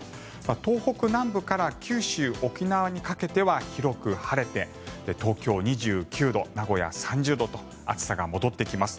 東北南部から九州、沖縄にかけては広く晴れて東京、２９度名古屋、３０度と暑さが戻ってきます。